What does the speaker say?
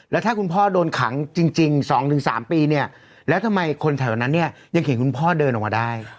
แล้วถ้าคุณพ่อโดนขังจริง๒๓ปีเนี่ยแล้วทำไมคนแถวนั้นเนี่ยยังเห็นคุณพ่อเดินออกมาได้